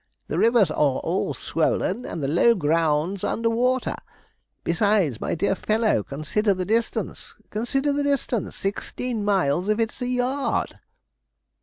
'The rivers are all swollen, and the low grounds under water; besides, my dear fellow, consider the distance consider the distance; sixteen miles, if it's a yard.'